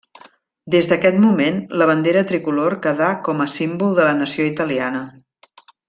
Des d'aquest moment la bandera tricolor quedà com a símbol de la nació italiana.